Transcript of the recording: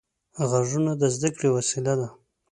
غوږونه د زده کړې وسیله ده